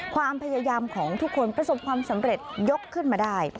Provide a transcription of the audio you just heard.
ความพยายามของทุกคนประสบความสำเร็จยกขึ้นมาได้